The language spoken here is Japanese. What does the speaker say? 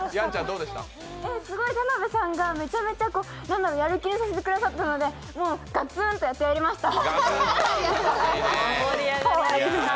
田辺さんがどんどんやる気にさせてくださったのでもうガツンとやってやりました。